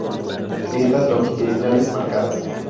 Grietas longitudinales marcadas.